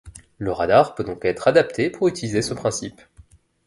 Le radar peut donc être adapté pour utiliser ce principe.